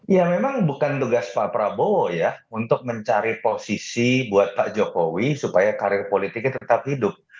ya memang bukan tugas pak prabowo ya untuk mencari posisi buat pak jokowi supaya karir politiknya tetap hidup